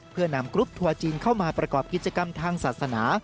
เพื่อนำกรุ๊ปทัวร์จีนเข้ามาประกอบกิจกรรมทางศาสนา